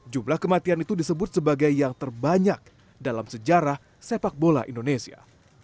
jumlah kematian itu disebut sebagai yang terbanyak dalam sejarah sepak bola indonesia